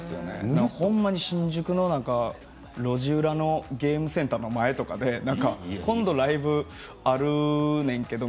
ほんまに新宿の路地裏のゲームセンターの前とかで今度はライブあるねんけど